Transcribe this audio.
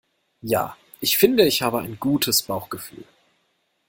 Ja, ich finde ich habe ein gutes Bauchgefühl.